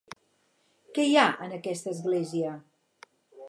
Què hi ha en aquesta església?